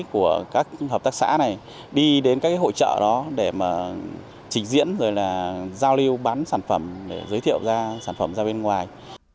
của các hợp tác xã này đi đến các hội trợ đó để mà trình diễn rồi là giao lưu bán sản phẩm để giới thiệu ra sản phẩm ra bên ngoài